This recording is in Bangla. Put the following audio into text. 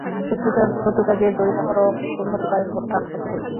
শত্রুতার জের ধরে মহরম খুন হতে পারেন বলে ধারণা করছে পুলিশ।